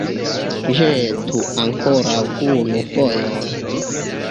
Ĵetu ankoraŭ unu fojon!